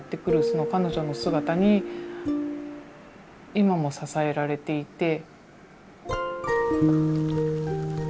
その彼女の姿に今も支えられていて。